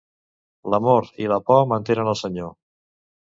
L'amor i la por mantenen el senyor.